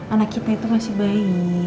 anak kita itu masih bayi